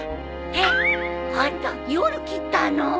えっ！？あんた夜切ったの？